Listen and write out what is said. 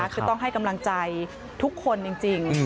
คือต้องให้กำลังใจทุกคนจริง